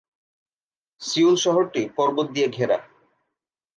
Seoul শহরটি পর্বত দিয়ে ঘেরা।